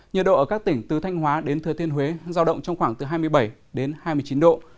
nhiệt độ ở các tỉnh từ thanh hóa đến thừa thiên huế giao động trong khoảng từ hai mươi bảy đến hai mươi chín độ